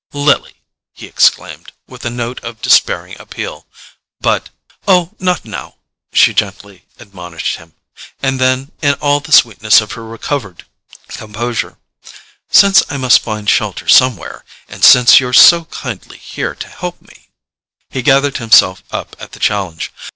"Lily!" he exclaimed, with a note of despairing appeal; but—"Oh, not now," she gently admonished him; and then, in all the sweetness of her recovered composure: "Since I must find shelter somewhere, and since you're so kindly here to help me——" He gathered himself up at the challenge.